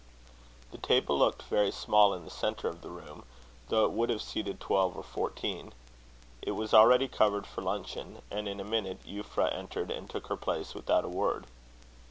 The table looked very small in the centre of the room, though it would have seated twelve or fourteen. It was already covered for luncheon; and in a minute Euphra entered and took her place without a word.